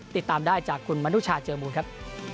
ติดตามได้จากคุณมนุชาเจมส์บูรณ์ครับ